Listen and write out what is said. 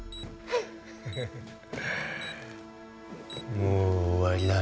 もう終わりだな。